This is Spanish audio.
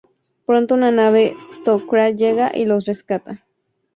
Pronto una nave Tok'ra llega y los rescata.